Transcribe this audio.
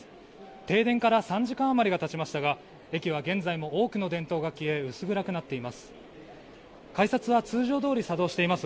停電から３時間余りがたちましたが駅は現在も多くの電灯が消え薄暗くなっています。